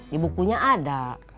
di bukunya ada